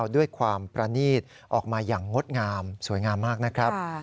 ด้วยความประนีตออกมาอย่างงดงามสวยงามมากนะครับ